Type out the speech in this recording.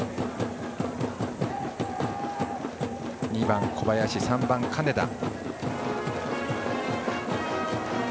２番、小林３番、金田。